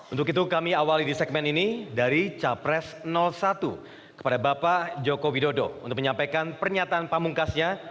untuk itu kami awali di segmen ini dari capres satu